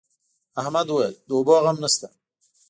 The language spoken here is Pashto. احمد وويل: د اوبو غم نشته.